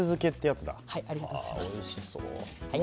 もうおいしそう。